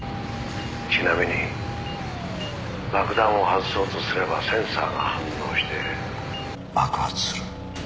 「ちなみに爆弾を外そうとすればセンサーが反応して」爆発する。